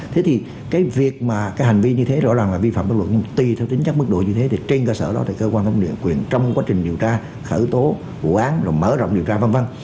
thế thì cái việc mà cái hành vi như thế rõ ràng là vi phạm bất luận tuy theo tính chắc mức độ như thế thì trên cơ sở đó thì cơ quan phòng địa quyền trong quá trình điều tra khởi tố hủ án rồi mở rộng điều tra v v